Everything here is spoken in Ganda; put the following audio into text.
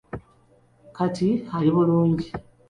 Kati ali bulungi.